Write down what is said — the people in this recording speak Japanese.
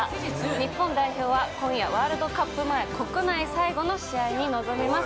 日本代表は今夜ワールドカップ前国内最後の試合に臨みます。